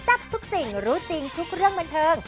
ทับทุกสิ่งรู้จริงทุกเรื่องบันเทิง